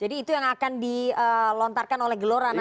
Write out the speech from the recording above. itu yang akan dilontarkan oleh gelora nanti